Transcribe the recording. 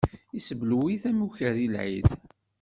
Iseblew-it, am ikerri n lɛid.